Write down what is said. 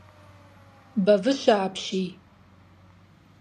Бэвыщэ апщий!